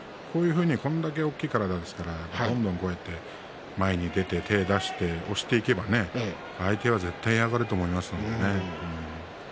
これだけ大きい体ですからどんどんこうやって前に出て手を出して押していけばね相手は絶対嫌がると思いますので。